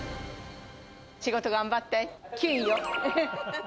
仕事頑張って、きゅんよ。